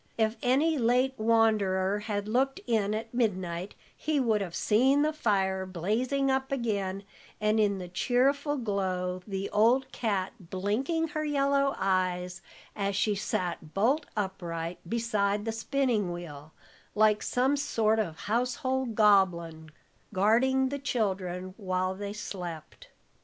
If any late wanderer had looked in at midnight, he would have seen the fire blazing up again, and in the cheerful glow the old cat blinking her yellow eyes, as she sat bolt upright beside the spinning wheel, like some sort of household goblin, guarding the children while they slept.